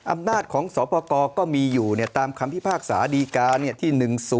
อำนาจของสปกรก็มีอยู่ตามคำพิพากษาดีกาที่๑๐